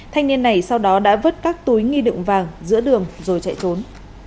thanh niên này sau đó đã vứt các túi nghi đựng vàng giữa đường rồi chạy trốn